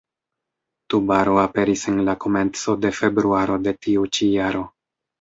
Tubaro aperis en la komenco de februaro de tiu ĉi jaro.